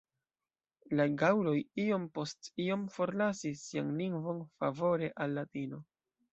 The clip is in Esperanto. La gaŭloj iom post iom forlasis sian lingvon favore al Latino.